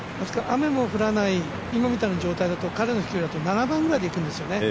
雨も降らない今のような状況だと彼の飛距離だと７番ぐらいでいくんですよね。